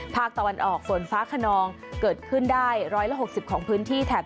ภาคตะวันออกฝนฟ้าขนองเกิดขึ้นได้๑๖๐ของพื้นที่แถบ